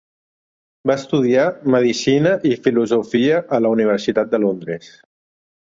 Va estudiar medicina i filosofia a la Universitat de Londres.